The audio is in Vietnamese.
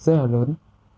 nó là vấn đề rất là lớn